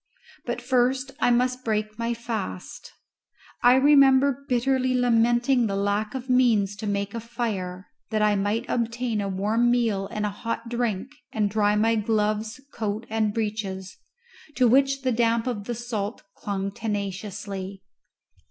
But first I must break my fast. I remember bitterly lamenting the lack of means to make a fire, that I might obtain a warm meal and a hot drink and dry my gloves, coat, and breeches, to which the damp of the salt clung tenaciously.